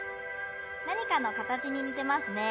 何かの形に似てますね。